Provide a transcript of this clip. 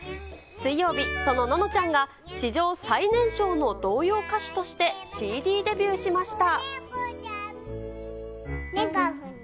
水曜日、そのののちゃんが、史上最年少の童謡歌手としてＣＤデビューしました。